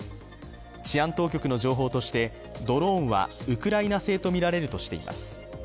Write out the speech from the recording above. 治安当局の情報としてドローンはウクライナ製とみられるとしています。